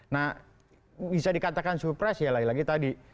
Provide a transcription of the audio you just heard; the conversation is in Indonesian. nah bisa dikatakan surprise ya lagi lagi tadi